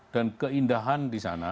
dan keindahan di sana